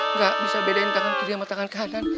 nggak bisa bedain tangan kiri sama tangan kanan